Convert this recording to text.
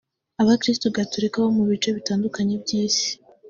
Abakiristu Gaturika bo mu bice bitandukanye by’isi